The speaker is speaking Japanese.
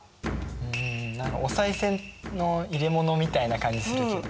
うん何かおさい銭の入れ物みたいな感じするけど。